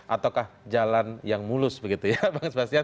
ataukah jalan yang mulus begitu ya